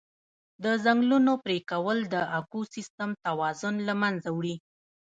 د ځنګلونو پرېکول د اکوسیستم توازن له منځه وړي.